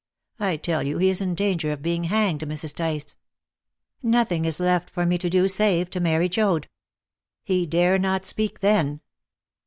I tell you he is in danger of being hanged, Mrs. Tice. Nothing is left for me to do save to marry Joad. He dare not speak then."